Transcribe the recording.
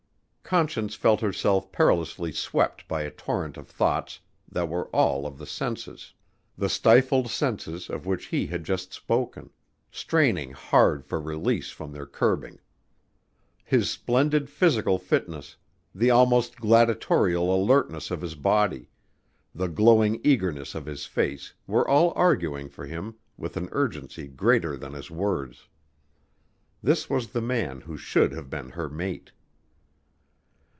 Conscience felt herself perilously swept by a torrent of thoughts that were all of the senses; the stifled senses of which he had just spoken, straining hard for release from their curbing. His splendid physical fitness; the almost gladiatorial alertness of his body; the glowing eagerness of his face were all arguing for him with an urgency greater than his words. This was the man who should have been her mate.